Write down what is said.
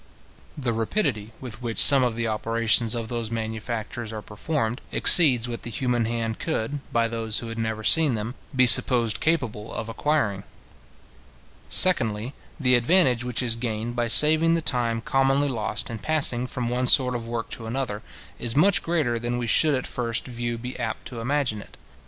The rapidity with which some of the operations of those manufactures are performed, exceeds what the human hand could, by those who had never seen them, be supposed capable of acquiring. Secondly, the advantage which is gained by saving the time commonly lost in passing from one sort of work to another, is much greater than we should at first view be apt to imagine it.